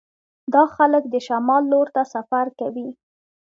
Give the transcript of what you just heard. دا خلک د شمال لور ته سفر کوي